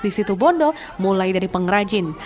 di situbondo mulai dari pengrajin